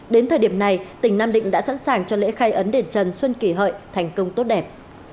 đến thời điểm này tỉnh nam định đã sẵn sàng cho lễ khai ấn đền trần xuân kỷ hợi thành công tốt đẹp